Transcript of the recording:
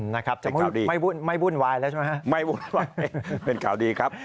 นะครับจะไม่บุ่นวายแล้วใช่ไหมครับไม่บุ่นวายเป็นข่าวดีครับ